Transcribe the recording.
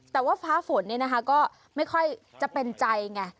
แต่ว่าฟ้าฝนเนี่ยนะคะก็ไม่ค่อยจะเป็นใจไง